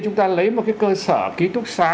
chúng ta lấy một cái cơ sở ký túc xá